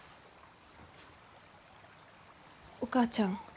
お母ちゃん。